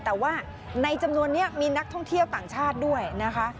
แต่ว่าในจำนวนนี้มีนักท่องเที่ยวต่างชาติด้วยนะคะ